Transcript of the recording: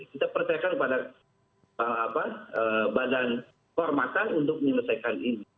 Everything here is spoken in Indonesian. kita percayakan pada badan hormatan untuk menyelesaikan ini